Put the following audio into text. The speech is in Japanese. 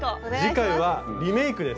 次回はリメイクです。